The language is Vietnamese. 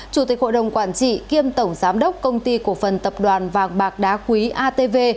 chủ tịch hội đồng quản trị kiêm tổng giám đốc công ty cổ phần tập đoàn vàng bạc đá quý atv